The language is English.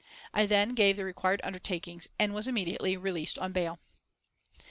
I then gave the required under takings and was immediately released on bail.